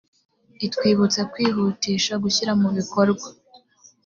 itwibutsa kwihutisha gushyira mu bikorwa .